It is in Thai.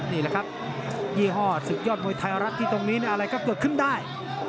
นี่แหละครับยี่ห้อศึกยอดมวยไทยรัฐที่ตรงนี้อะไรก็เกิดขึ้นได้